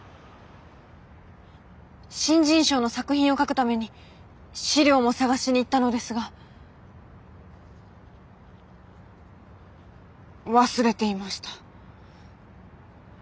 新人賞の作品を描くために資料も探しに行ったのですが忘れていました。